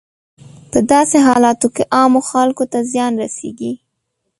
په داسې حالاتو کې عامو خلکو ته زیان رسیږي.